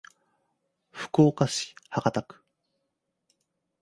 福岡市博多区